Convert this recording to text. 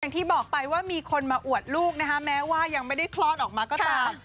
อย่างที่บอกไปว่ามีคนมาอวดลูกนะคะแม้ว่ายังไม่ได้คลอดออกมาก็ตาม